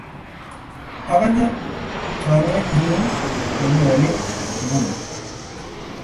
Akanyi chorwet nyun ne nyone nguni.